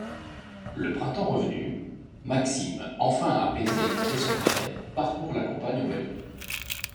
Le Printemps revenu, Maxime enfin apaisé et son père parcourent la campagne en vélo.